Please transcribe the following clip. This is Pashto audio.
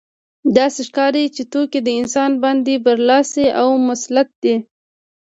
داسې ښکاري چې توکي په انسان باندې برلاسي او مسلط دي